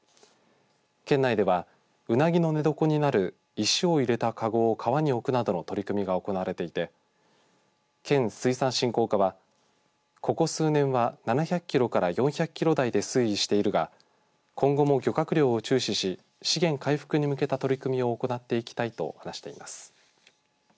県内ではウナギの寝床になる石を入れたかごを川に置くなどの取り組みが行われていて県水産振興課はここ数年は、７００キロから４００キロ台で推移しているが今後も漁獲量を注視し資源回復に向けた取り組みを行っていきたいと話しています。